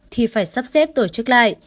thì phải sắp xếp tổ chức lại